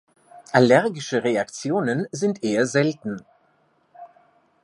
Allergische Reaktionen sind eher selten.